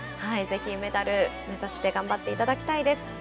ぜひメダルを目指して頑張っていただきたいです。